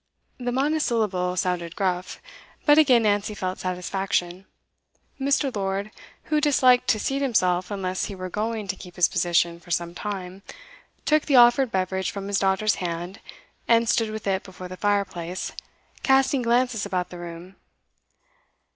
The monosyllable sounded gruff, but again Nancy felt satisfaction. Mr. Lord, who disliked to seat himself unless he were going to keep his position for some time, took the offered beverage from his daughter's hand, and stood with it before the fireplace, casting glances about the room.